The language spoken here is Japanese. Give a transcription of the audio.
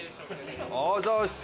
あざっす！